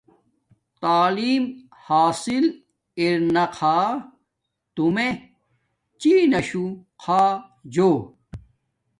تعیلم حاصل ارا خاہ تومیے چین ناشو خا جو